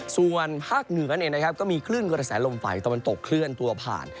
ส่วนภาคเหนือเนี่ยนะครับก็มีคลื่นกระแสลมไฟตอนมันตกเคลื่อนตัวผ่าน